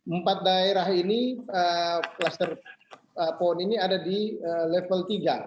empat daerah ini kluster pohon ini ada di level tiga